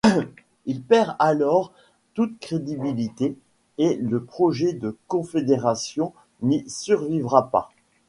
Il perd alors toute crédibilité et le projet de confédération n’y survivra pas.